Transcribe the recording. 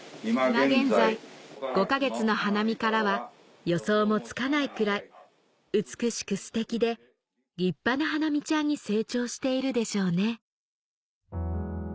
「今現在５か月の華実からは予想もつかないくらい美しくステキで立派な華実ちゃんに成長しているでしょうね」